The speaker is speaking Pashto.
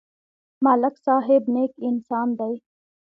ملک صاحب نېک انسان دی.